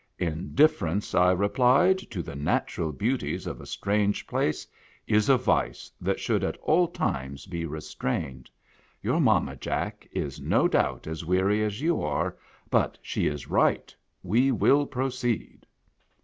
"Indifference," I replied, "to the natural beauties of a strange place, is a vice that should at a'l times be restrained. Your mamma, Jack, is no doubt as weary as you are ; but she is right, — we will proceed."